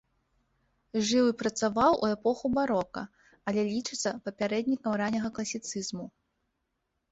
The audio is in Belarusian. Жыў і працаваў у эпоху барока, але лічыцца папярэднікам ранняга класіцызму.